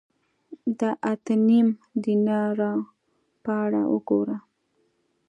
د اته نیم دینارو په اړه وګوره